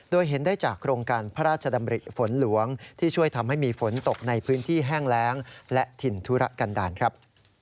โดยเห็นได้จากโครงการพระราชดำริฝนหลวงที่ช่วยทำให้มีฝนตกในพื้นที่แห้งแรงและถิ่นธุระกันดาลครับ